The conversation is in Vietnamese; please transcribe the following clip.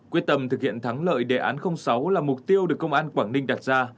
quyết tâm thực hiện thắng lợi đề án sáu là mục tiêu được công an quảng ninh đặt ra